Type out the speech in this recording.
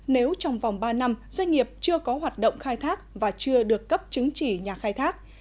nếu trong vòng ba năm doanh nghiệp chưa có hoạt động khai thác và chưa được cấp chứng chỉ nhà khai thác